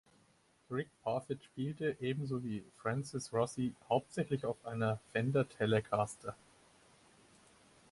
Rick Parfitt spielte, ebenso wie Francis Rossi, hauptsächlich auf einer Fender Telecaster.